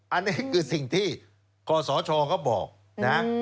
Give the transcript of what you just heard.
อันนี้คือสิ่งที่ขอสชเขาบอกนะ